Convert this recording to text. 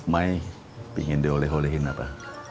mai pingin dia oleh olehin apa